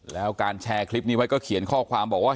แล้วการแชร์คลิปนี้ไว้ก็เขียนข้อความบอกว่า